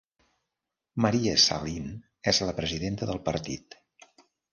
Maria Sahlin és la presidenta del partit.